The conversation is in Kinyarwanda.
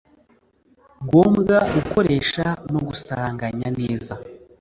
ngombwa gukoresha no gusaranganya neza